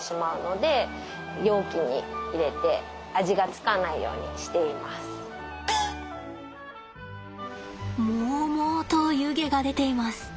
ほかのものにもうもうと湯気が出ています。